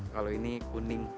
kalau ini kuning